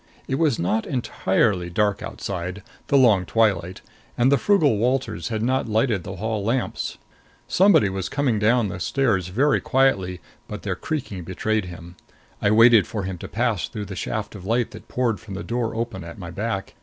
It was not entirely dark outside the long twilight and the frugal Walters had not lighted the hall lamps. Somebody was coming down the stairs very quietly but their creaking betrayed him. I waited for him to pass through the shaft of light that poured from the door open at my back.